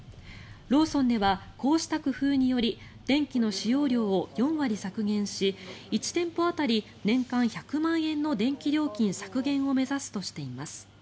ローソンではこうした工夫により電気の使用量を４割削減し１店舗当たり年間１００万円の電気料金削減を目指すとしています。